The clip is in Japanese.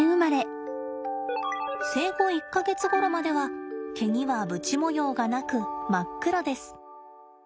生後１か月ごろまでは毛にはぶち模様がなく真っ黒です。